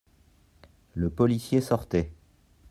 Le policier sortait.